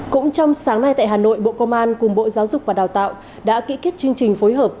cũng trong sáng nay tại hà nội bộ công an cùng bộ giáo dục và đào tạo đã ký kết chương trình phối hợp